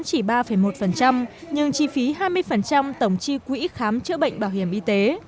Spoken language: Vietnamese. chỉ ba một nhưng chi phí hai mươi tổng chi quỹ khám chữa bệnh bảo hiểm y tế